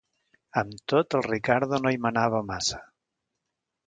Amb tot, el Riccardo no hi manava massa.